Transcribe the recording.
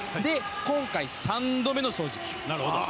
今回、三度目の正直。